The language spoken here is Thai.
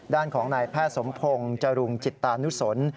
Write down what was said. ด้านของนายแพทย์สมพงศ์จรุงจิตตานุสน